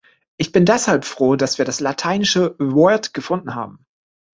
Ich bin deshalb froh, dass wir das lateinische Word gefunden haben.